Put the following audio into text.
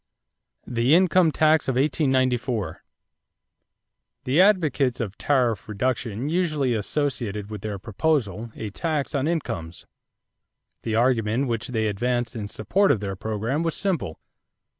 =The Income Tax of 1894.= The advocates of tariff reduction usually associated with their proposal a tax on incomes. The argument which they advanced in support of their program was simple.